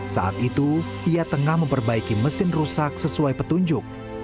saat itu ia tengah memperbaiki mesin rusak sesuai petunjuk